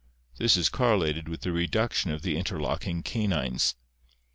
This is correlated with the reduc tion of the interlocking canines.